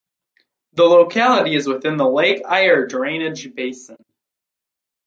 The locality is within the Lake Eyre drainage basin.